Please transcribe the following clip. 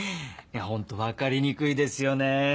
ホント分かりにくいですよね。